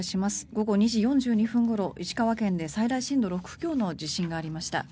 午後２時４２分ごろ石川県で最大震度６強の地震がありました。